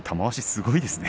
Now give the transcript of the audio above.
すごいですよ。